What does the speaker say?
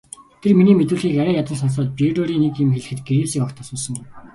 Тэр миний мэдүүлгийг арай ядан сонсоод Бруерыг нэг юм хэлэхэд Гривсыг огт асуусангүй.